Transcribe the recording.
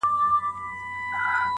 • په لاهور کي بیا ټومبلی بیرغ غواړم -